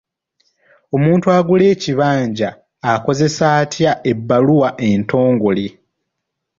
Omuntu agula ekibanja akozesa atya ebbaluwa entongole?